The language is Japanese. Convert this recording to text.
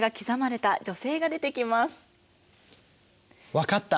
分かった。